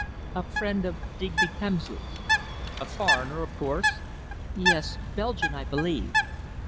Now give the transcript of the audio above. "A friend of Digby Kemsley's." "A foreigner, of course?" "Yes, Belgian, I believe."